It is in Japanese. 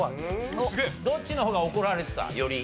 どっちの方が怒られてた？より。